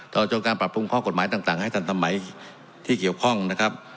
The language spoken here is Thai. จนการปรับปรุงข้อกฎหมายต่างให้ทันสมัยที่เกี่ยวข้องนะครับ